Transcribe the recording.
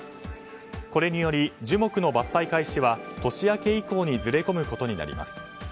これにより、樹木の伐採開始は年明け以降にずれ込むことになります。